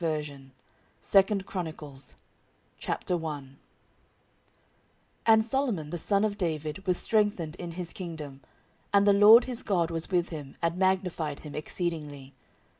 Book 14 2 Chronicles 14:001:001 And Solomon the son of David was strengthened in his kingdom, and the LORD his God was with him, and magnified him exceedingly.